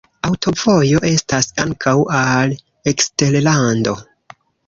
Aŭtovojo estas ankaŭ al eksterlando.